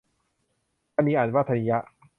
ธนิย อ่านว่า ทะนิยะ